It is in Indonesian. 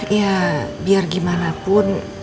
ya biar gimana pun